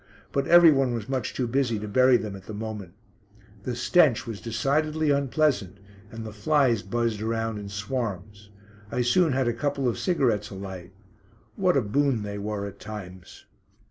But everyone was much too busy to bury them at the moment. The stench was decidedly unpleasant, and the flies buzzed around in swarms. I soon had a couple of cigarettes alight. What a boon they were at times.